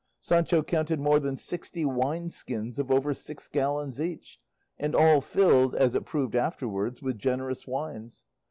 Sancho counted more than sixty wine skins of over six gallons each, and all filled, as it proved afterwards, with generous wines.